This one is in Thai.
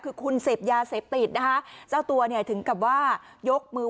คือคุณเสพยาเสพติดนะคะเจ้าตัวเนี่ยถึงกับว่ายกมือ